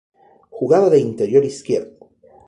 Jugaba de interior izquierdo.